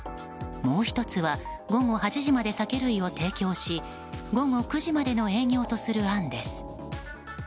もう１つは午後８時まで酒類を提供し午後９時までの営業とする案です。